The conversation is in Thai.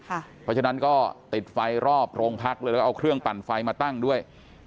เพราะฉะนั้นก็ติดไฟรอบโรงพักเลยแล้วเอาเครื่องปั่นไฟมาตั้งด้วย